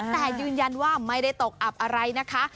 แต่ยืนยันว่าไม่ได้ตกอับอะไรนะคะ